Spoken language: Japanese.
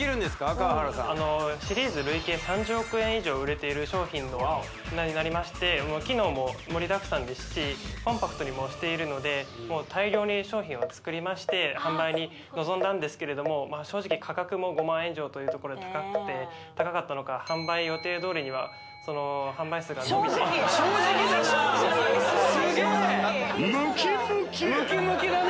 河原さんあのシリーズ累計３０億円以上売れている商品となりまして機能も盛りだくさんですしコンパクトにもしているのでもう大量に商品を作りまして販売に臨んだんですけれどもまあ正直価格も５万円以上というところで高くて正直だなすごい正直すげえムキムキだね